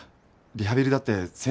リハビリだって先生